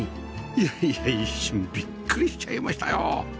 いやいや一瞬ビックリしちゃいましたよ